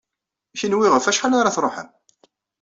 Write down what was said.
Kenwi ɣef wacḥal ara tṛuḥem?